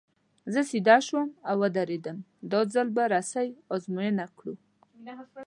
زه سیده شوم او ودرېدم، دا ځل به رسۍ ازموینه کړو.